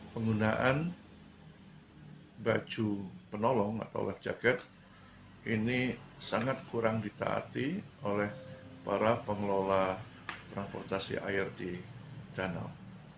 penggunaan baju penolong atau life jaket ini sangat kurang ditaati oleh para pengelola transportasi air di danau